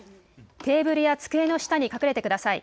テーブルや机の下に隠れてください。